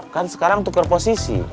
kan sekarang tuker posisi